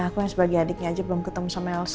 aku yang sebagai adiknya aja belum ketemu sama elsa